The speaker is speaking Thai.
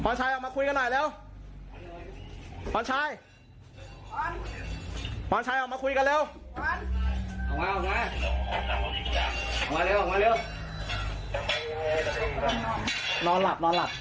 นอนหลับ